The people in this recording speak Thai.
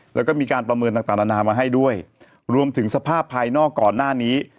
แล้วก็มีการประเมินต่างนานามาให้ด้วยรวมถึงสภาพภายนอกก่อนหน้านี้